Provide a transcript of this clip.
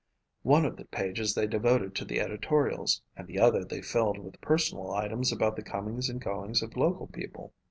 One of the pages they devoted to the editorials and the other they filled with personal items about the comings and goings of local people.